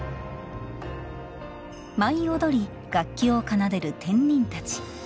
舞い踊り、楽器を奏でる天人たち。